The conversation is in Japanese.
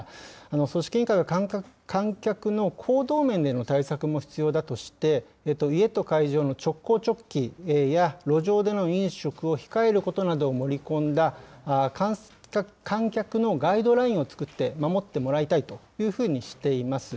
組織委員会は観客の行動面での対策も必要だとして、家と会場の直行直帰や、路上での飲食を控えることなどを盛り込んだ、観客のガイドラインを作って守ってもらいたいというふうにしています。